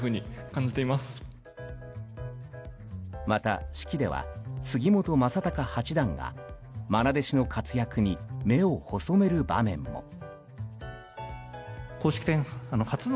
また、式では杉本昌隆八段が愛弟子の活躍に目を細める場面も。